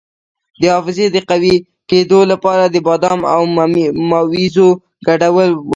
د حافظې د قوي کیدو لپاره د بادام او مویزو ګډول وکاروئ